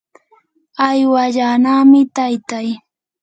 aywallanami taytay.